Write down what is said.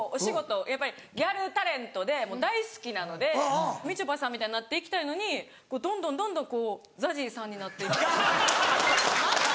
やっぱりギャルタレントでもう大好きなのでみちょぱさんみたいになっていきたいのにどんどんどんどんＺＡＺＹさんになっていってることが。